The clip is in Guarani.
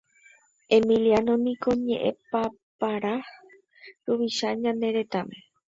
Emiliano niko ñeʼẽpapára ruvicha ñane retãme.